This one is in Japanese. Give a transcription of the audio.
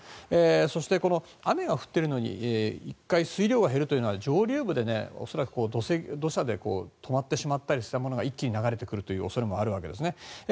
そして雨が降っているのに１回水量が減るというのは上流部で恐らく土砂で止まってしまったりしたものが一気に流れてくる恐れもあるわけですね。